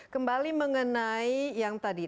kembali mengenai yang tadi